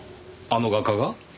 あの画家が？